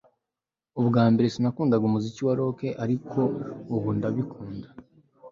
Ubwa mbere sinakundaga umuziki wa rock ariko ubu ndabikunda